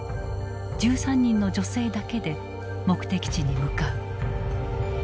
１３人の女性だけで目的地に向かう。